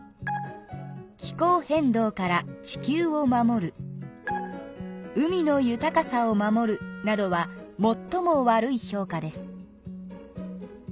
「気候変動から地球を守る」「海の豊かさを守る」などはもっとも悪い評価です。